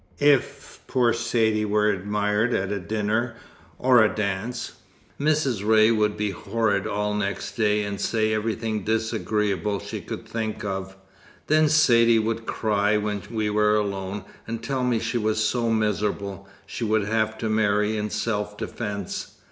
If poor Saidee were admired at a dinner, or a dance, Mrs. Ray would be horrid all next day, and say everything disagreeable she could think of. Then Saidee would cry when we were alone, and tell me she was so miserable, she would have to marry in self defence.